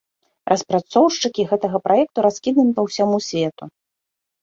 Распрацоўшчыкі гэтага праекту раскіданы па ўсяму свету.